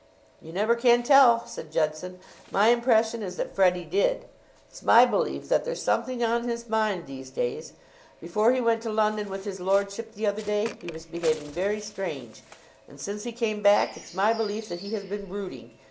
"You never can tell," said Judson. "My impression is that Freddie did. It's my belief that there's something on his mind these days. Before he went to London with his lordship the other day he was behaving very strange. And since he came back it's my belief that he has been brooding.